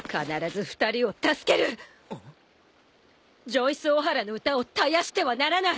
ジョイスオハラの歌を絶やしてはならない。